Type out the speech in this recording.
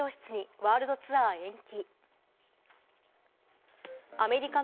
ワールドツアー延期。